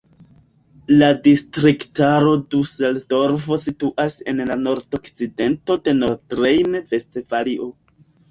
La distriktaro Duseldorfo situas en la nordokcidento de Nordrejn-Vestfalio.